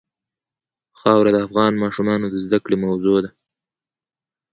خاوره د افغان ماشومانو د زده کړې موضوع ده.